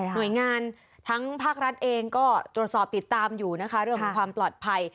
หน่วยงานทั้งภาครัฐเองก็ตรวจสอบติดตามอยู่นะคะเรื่องของความปลอดภัย